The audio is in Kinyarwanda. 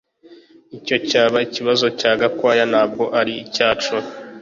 Icyo cyaba ikibazo cya Gakwaya ntabwo aricyacu